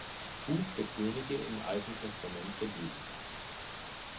Buch der Könige im Alten Testament der Bibel.